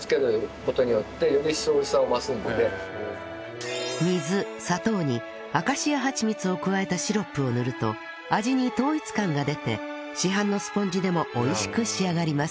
ここに少し水砂糖にアカシアはちみつを加えたシロップを塗ると味に統一感が出て市販のスポンジでも美味しく仕上がります